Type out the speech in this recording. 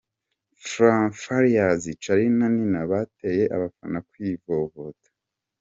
Farious, Charly na Nina bateye abafana kwivovota.